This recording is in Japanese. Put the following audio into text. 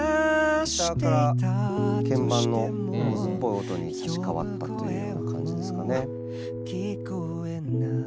ギターから鍵盤のノイズっぽい音に差し替わったというような感じですかね。